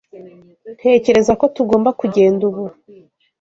Ntekereza ko tugomba kugenda ubu.